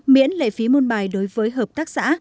miễn lệ phí môn bài đối với hợp tác xã